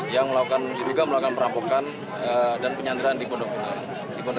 yang juga melakukan perampokan dan penyandaran di pondok indah